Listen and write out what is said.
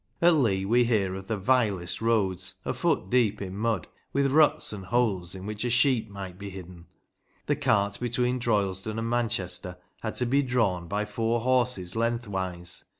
At Leigh we hear of the vilest roads, a foot deep in mud, with ruts and holes in which a sheep might be hidden. The cart between Droylesden and Manchester had to be drawn by four horses lengthwise.